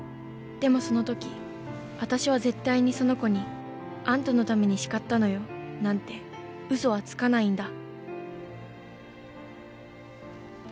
でもその時あたしは絶対にその子に『あんたのために叱ったのよ』なんて嘘はつかないんだ」。